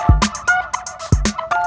kau mau kemana